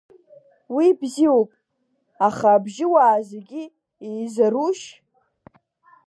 Уи бзиоуп, аха абжьуаа зегьы еизарушь?